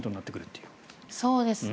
そうですね。